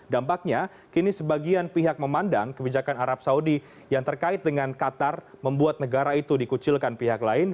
dampaknya kini sebagian pihak memandang kebijakan arab saudi yang terkait dengan qatar membuat negara itu dikucilkan pihak lain